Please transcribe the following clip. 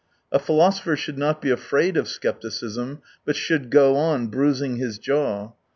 A philosopher should not be afraid of scepticism, but should go on bruising his jaw.